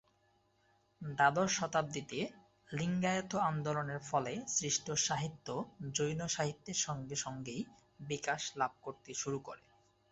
দ্বাদশ শতাব্দীতে লিঙ্গায়েত আন্দোলনের ফলে সৃষ্ট সাহিত্য জৈন সাহিত্যের সঙ্গে সঙ্গেই বিকাশ লাভ করতে শুরু করে।